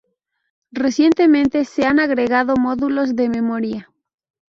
Recientemente se han agregado módulos de memoria.